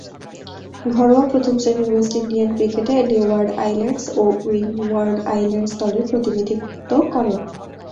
ঘরোয়া প্রথম-শ্রেণীর West Indian ক্রিকেটে লিওয়ার্ড আইল্যান্ডস ও উইন্ডওয়ার্ড আইল্যান্ডস দলের প্রতিনিধিত্ব করেন।